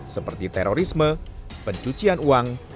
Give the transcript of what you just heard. seperti terorisme pencucian uang